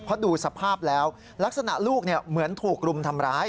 เพราะดูสภาพแล้วลักษณะลูกเหมือนถูกรุมทำร้าย